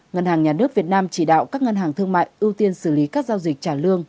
ngân hàng nhà nước việt nam chỉ đạo các ngân hàng thương mại ưu tiên xử lý các giao dịch trả lương